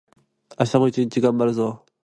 明日も一日がんばるぞ